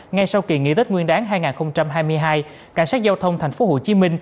ngay sau kỳ nghỉ tết nguyên đáng hai nghìn hai mươi hai cảnh sát giao thông tp hcm